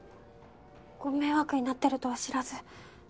ご迷惑になってるとは知らず。